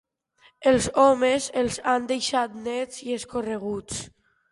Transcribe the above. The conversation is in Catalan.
Els homes els han deixat nets i escorreguts.